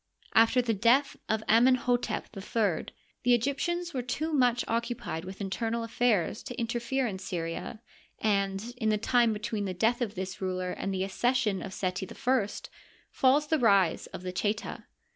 After the death of Amenh6tep III, the Egyp tians were too much occupied with internal affairs to inter fere in Syria, and in the time between the death of this ruler and the accession of Seti I falls the rise of the Cheta.